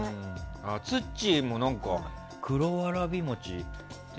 ツッチーも黒わらび餅って。